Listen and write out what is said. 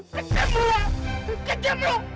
kejam lo lan kejam lo